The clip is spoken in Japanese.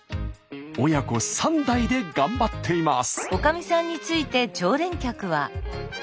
親子３代で頑張っています！